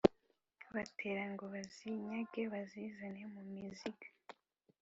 batera ngo bazinyage bazizane mu mizinga.”